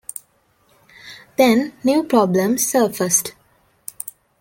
Then new problems surfaced.